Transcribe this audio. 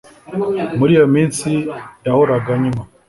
Muri iyo minsi yahoraga anywa